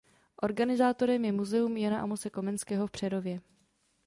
Organizátorem je Muzeum Jana Amose Komenského v Přerově.